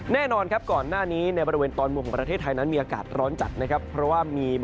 แน่นอนก่อนหน้านี้ในบริเวณตอนบนของประเทศไทยแม่งมีอากาศร้อนจัดเพราะมีบริเวณหย่อมความคลดอากาศต่ำปกกลุ่มอยู่